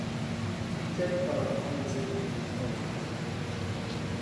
Bitsa dipalo ha o ntse o di bala.